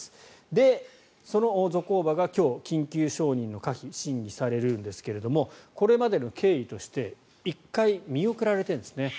で、そのゾコーバが今日、緊急承認の可否が審議されるんですがこれまでの経緯として１回、見送られているんです。